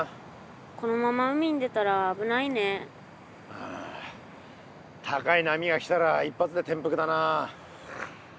ああ高い波が来たら一発でてんぷくだな。